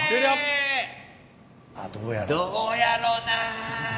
どうやろな。